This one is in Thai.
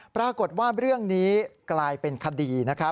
ปรากฏว่าเรื่องนี้กลายเป็นคดี